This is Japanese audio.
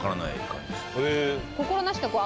心なしか。